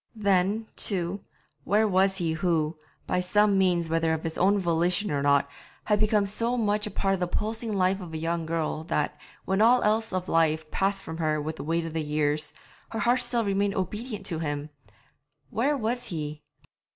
Then, too, where was he who, by some means, whether of his own volition or not, had become so much a part of the pulsing life of a young girl that, when all else of life passed from her with the weight of years, her heart still remained obedient to him? Where was he?